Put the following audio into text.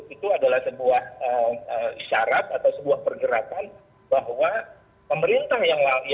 itu adalah sebuah isyarat atau sebuah pergerakan bahwa pemerintah yang